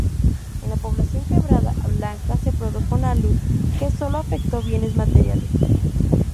En la población Quebrada Blanca se produjo un alud que sólo afecto bienes materiales.